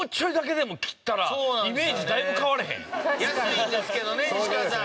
安いんですけどね西川さん